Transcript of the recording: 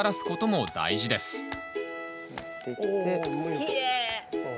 きれい。